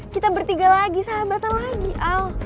kita bertiga lagi sahabatan lagi al